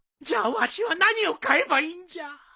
じゃあわしは何を買えばいいんじゃ？